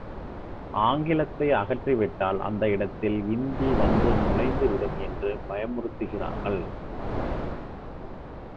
ஆங்கிலத்தை அகற்றி விட்டால் அந்த இடத்தில் இந்தி வந்து நுழைந்து விடும் என்று பயமுறுத்துகிறார்கள்!